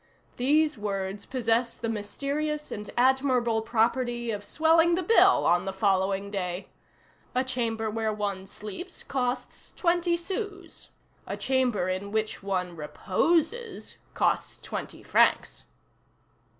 These words possess the mysterious and admirable property of swelling the bill on the following day. A chamber where one sleeps costs twenty sous; a chamber in which one reposes costs twenty francs.